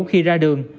khi ra đường